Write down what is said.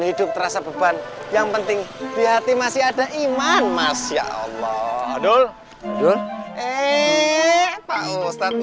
hidup terasa beban yang penting di hati masih ada iman masya allah adul adul eh pak ustadz